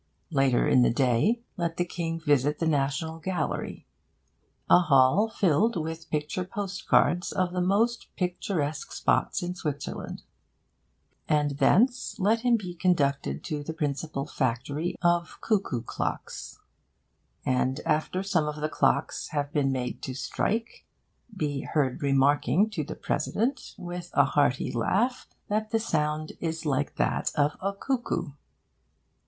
Later in the day, let the King visit the National Gallery a hall filled with picture post cards of the most picturesque spots in Switzerland; and thence let him be conducted to the principal factory of cuckoo clocks, and, after some of the clocks have been made to strike, be heard remarking to the President, with a hearty laugh, that the sound is like that of the cuckoo.